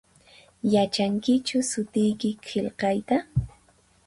Yachankichu sutiyki qilqayta?